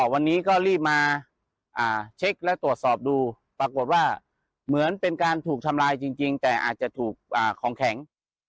วันนี้ก็รีบมาเช็คและตรวจสอบดูปรากฏว่าเหมือนเป็นการถูกทำลายจริงแต่อาจจะถูกของแข็ง